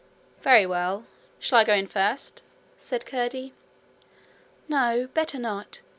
'Very well. Shall I go in first?' said Curdie. 'No; better not.